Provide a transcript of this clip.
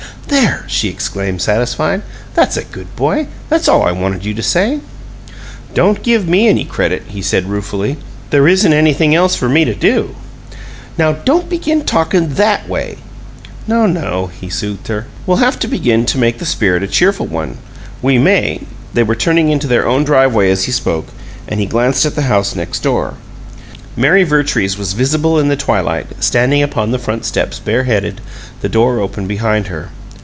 "There!" she exclaimed, satisfied. "That's a good boy! That's all I wanted you to say." "Don't give me any credit," he said, ruefully. "There isn't anything else for me to do." "Now, don't begin talkin' THAT way!" "No, no," he soothed her. "We'll have to begin to make the spirit a cheerful one. We may " They were turning into their own driveway as he spoke, and he glanced at the old house next door. Mary Vertrees was visible in the twilight, standing upon the front steps, bareheaded, the door open behind her.